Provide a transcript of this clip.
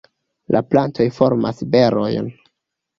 La plantoj formas berojn.